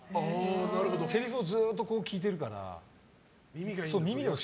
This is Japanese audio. せりふをずっと聞いてるから。